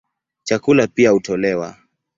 Chakula pia hutolewa.